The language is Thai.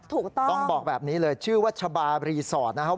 ถูกต้องต้องบอกแบบนี้เลยชื่อวัชบารีสอร์ทนะครับ